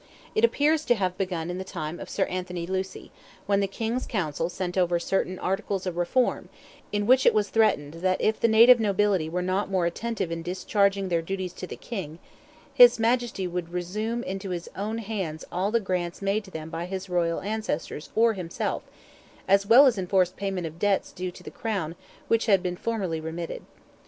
It appears to have begun in the time of Sir Anthony Lucy, when the King's Council sent over certain "Articles of Reform," in which it was threatened that if the native nobility were not more attentive in discharging their duties to the King, his Majesty would resume into his own hands all the grants made to them by his royal ancestors or himself, as well as enforce payment of debts due to the Crown which had been formerly remitted.